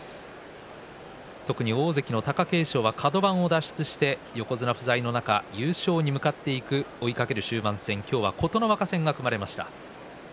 特に大関の貴景勝はカド番を脱出して、横綱不在の中優勝に向かっていく、追いかける終盤戦、今日は琴ノ若戦が組まれました。